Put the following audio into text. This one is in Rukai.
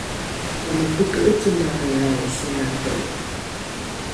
amopoke’ecengaelrao solate